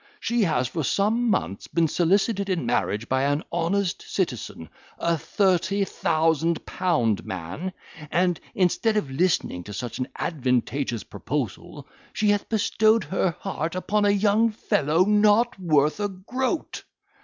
She has, for some months, been solicited in marriage by an honest citizen, a thirty thousand pound man; and instead of listening to such an advantageous proposal, she hath bestowed her heart upon a young fellow not worth a groat.